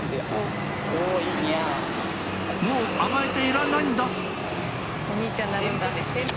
「もう甘えていられないんだ」